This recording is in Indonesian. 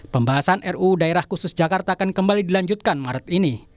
pembahasan ruu daerah khusus jakarta akan kembali dilanjutkan maret ini